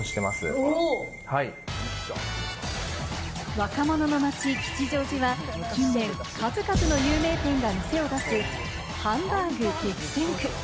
若者の街・吉祥寺は近年、数々の有名店が店を出す、ハンバーグ激戦区。